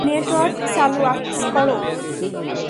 Network চালু করো।